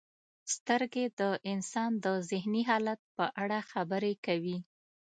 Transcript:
• سترګې د انسان د ذهني حالت په اړه خبرې کوي.